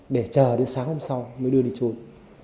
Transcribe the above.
để chờ đến sáng hôm sau mới đưa đi trôn